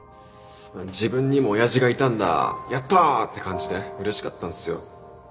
自分にも親父がいたんだやったー！って感じで嬉しかったんすよ。